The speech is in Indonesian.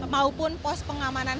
maupun pos pengamanan